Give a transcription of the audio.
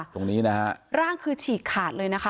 ตรงนี้นะฮะร่างคือฉีกขาดเลยนะคะ